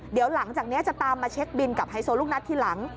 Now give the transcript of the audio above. เดี๋ยวหลังจากนี้จะตามมาเช็คบินกับไฮโซลูกนัดทีหลัง